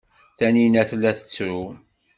Taninna tella tettru.